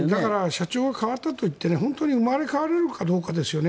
社長が代わったからといって本当に生まれ変われるかですね。